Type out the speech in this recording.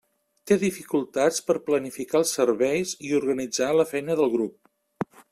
Té dificultats per planificar els serveis i organitzar la feina del grup.